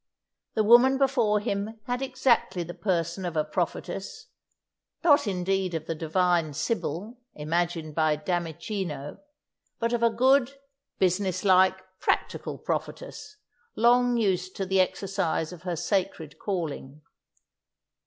The woman before him had exactly the person of a prophetess; not, indeed, of the divine Sibyl, imagined by Dammichino, but of a good, business like, practical prophetess, long used to the exercise of her sacred calling.